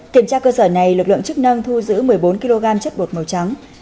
kiểm tra cơ sở này lực lượng chức năng thu giữ một mươi bốn kg chất bột màu trắng